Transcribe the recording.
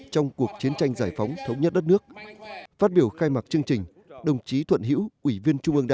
trong cuộc chiến tranh giải phóng thống nhất đất nước